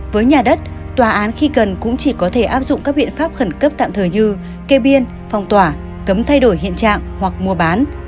với nhà đất tòa án khi cần cũng chỉ có thể áp dụng các biện pháp khẩn cấp tạm thời như kê biên phong tỏa cấm thay đổi hiện trạng hoặc mua bán